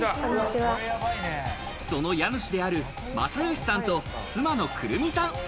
その家主であるまさよしさんと妻のくるみさん。